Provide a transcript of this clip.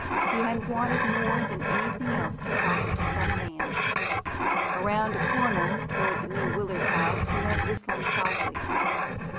He had wanted more than anything else to talk to some man. Around a corner toward the New Willard House he went whistling softly.